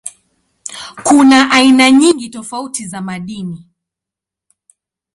Kuna aina nyingi tofauti za madini.